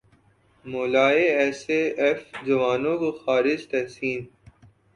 مولا A S F جوانوں کو خراج تحسین